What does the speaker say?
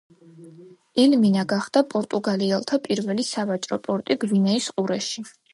ელმინა გახდა პორტუგალიელთა პირველი სავაჭრო პორტი გვინეის ყურეში.